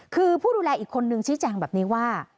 คือผู้ดูแลอีกคนนึงชี้แจงแบบนี้ว่า